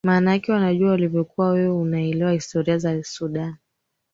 maanake wajua ilivyokuwa wewe unaelewa historia za sudan